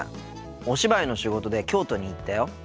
お芝居の仕事で京都に行ったよ。